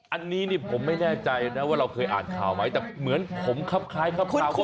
อันนี้นี่ผมไม่แน่ใจนะว่าเราเคยอ่านข่าวไหมแต่เหมือนผมครับคล้ายครับข่าวไว้